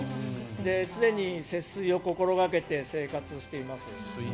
常に節水を心掛けて生活しています。